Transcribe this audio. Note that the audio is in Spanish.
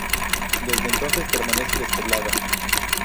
Desde entonces permanece despoblada.